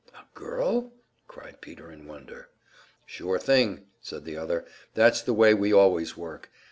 "A girl?" cried Peter, in wonder. "Sure thing," said the other. "That's the way we always work.